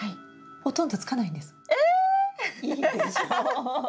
いいでしょう？